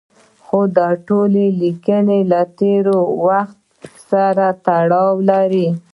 خو دا ټولې لیکنې له تېر وخت سره تړاو لري.